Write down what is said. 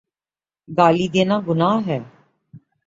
گالی دینا گناہ ہے۔